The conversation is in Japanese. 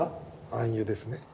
暗喩ですね。